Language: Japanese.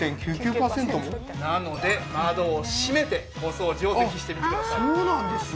なので窓を閉めてお掃除をぜひしてみてください。